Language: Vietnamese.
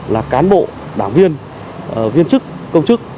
là cán bộ đảng viên viên chức công chức